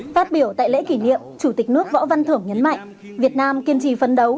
phát biểu tại lễ kỷ niệm chủ tịch nước võ văn thưởng nhấn mạnh việt nam kiên trì phấn đấu